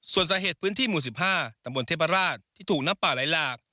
ส่วนสาเหตุพื้นที่หมู่๑๕ตำบลเทพราชที่ถูกน้ำป่าไหลหลาก